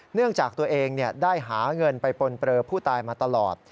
เนื่องจากตัวเองได้หาเงินไปปนเปลือผู้ตายมาตลอด